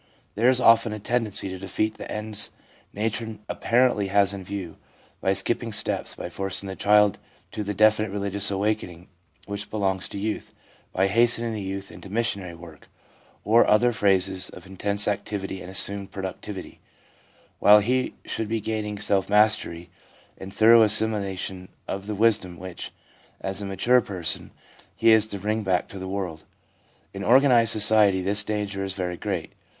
There is often a tendency to defeat the ends nature apparently has in view, by skipping steps, by forcing the child to the definite religious awakening which belongs to youth, by hasten ing the youth into missionary work, or other phases of intense activity and assumed productivity, while he should be gaining self mastery and thorough assimila tion of the wisdom which, as a mature person, he is to bring back to the world. In organised society this danger is very great.